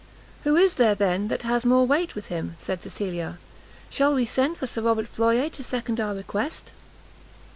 "Who is there, then, that has more weight with him?" said Cecilia, "shall we send for Sir Robert Floyer to second our request?"